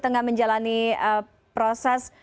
tengah menjalani proses